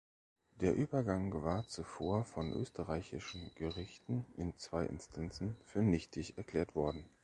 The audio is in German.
Der Übergang war zuvor von österreichischen Gerichten in zwei Instanzen für nichtig erklärt worden.